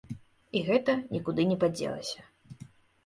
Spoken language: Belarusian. І гэта нікуды не падзелася.